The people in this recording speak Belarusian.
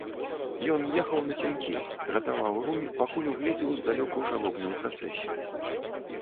Ён ехаў нацянькі, дратаваў рунь, пакуль угледзеў здалёку жалобную працэсію.